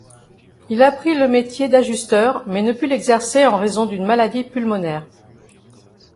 Il apprit le métier d'ajusteur, mais ne put l'exercer en raison d'une maladie pulmonaire.